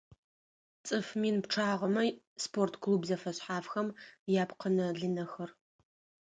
ЦӀыф мин пчъагъэмэ спорт клуб зэфэшъхьафхэм япкъынэ-лынэхэр.